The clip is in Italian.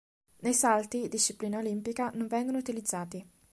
Nei salti, disciplina olimpica, non vengono utilizzati.